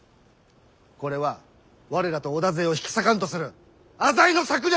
これは我らと織田勢を引き裂かんとする浅井の策略！